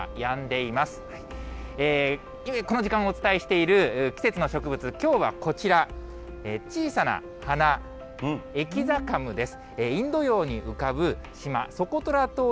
いつもこの時間お伝えしている季節の植物、きょうはこちら、小さな花、えきざかむです。